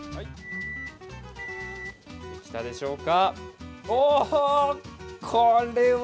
できたでしょうか。